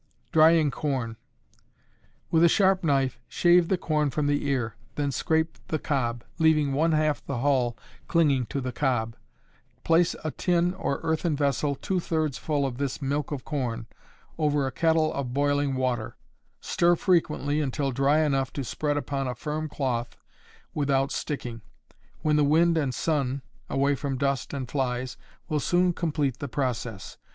Drying Corn. With a sharp knife shave the corn from the ear, then scrape the cob, leaving one half the hull clinging to the cob. Place a tin or earthen vessel two thirds full of this "milk of corn" over a kettle of boiling water, stir frequently until dry enough to spread upon a firm cloth without sticking, when the wind and sun (away from dust and flies) will soon complete the process.